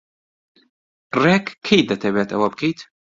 ڕێک کەی دەتەوێت ئەوە بکەیت؟